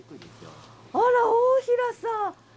あら大平さん。